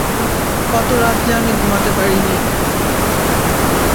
কত রাত যে আমি ঘুমাতে পারিনি।